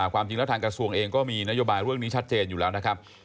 ความจริงแล้วทางกระทรวงเองก็มีนโยบายเรื่องนี้ชัดเจนอยู่แล้วนะครับ